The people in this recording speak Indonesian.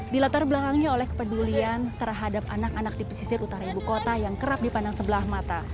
dilatar belakangnya oleh kepedulian terhadap anak anak di pesisir utara ibu kota yang kerap dipandang sebelah mata